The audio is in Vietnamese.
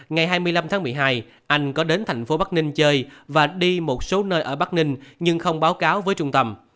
ngày hai mươi năm tháng một mươi hai anh có đến thành phố bắc ninh chơi và đi một số nơi ở bắc ninh nhưng không báo cáo với trung tâm